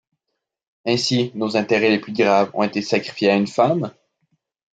Ainsi, nos intérêts les plus graves ont été sacrifiés à une femme?